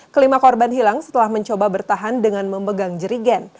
kelima korban hilang setelah mencoba bertahan dengan memegang jerigen